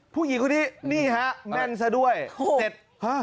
ผู้หญิงคนนี้นี่ฮะแม่นซะด้วยเสร็จ